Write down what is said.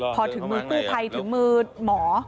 พอถึงกู่ไพท์ถึงหมอ